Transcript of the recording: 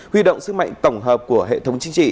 huy động sức mạnh tổng hợp của hệ thống chính trị